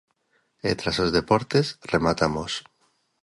E tras os deportes, rematamos.